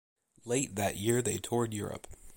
Late that year they toured Europe.